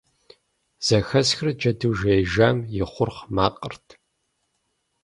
Зэхэсхыр джэду жеижам и хъурхъ макъырт.